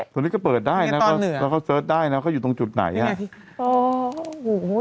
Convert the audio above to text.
ตรงนี้ก็เปิดได้นะแล้วก็เซิร์ชได้นะคืออยู่ตรงจุดไหนอ่ะพี่โอ้โฮ